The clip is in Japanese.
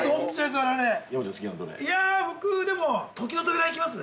◆うわあ、僕でも、「時の扉」いきます？